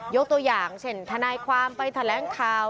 ยกตัวอย่างเช่นทนายความไปแถลงข่าว